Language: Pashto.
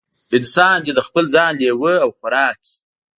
انسان دې د خپل ځان لېوه او خوراک وي.